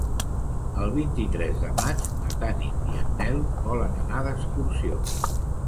El vint-i-tres de maig na Tanit i en Nel volen anar d'excursió.